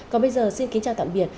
còn bây giờ xin kính chào tạm biệt